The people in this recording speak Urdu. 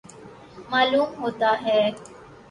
معلوم ہوتا ہے